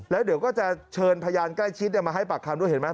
แล้วเดี๋ยวก็จะเชิญพยานใกล้ชิดมาให้ปากคำด้วยเห็นไหม